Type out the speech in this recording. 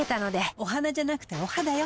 お花じゃなくてお肌よ。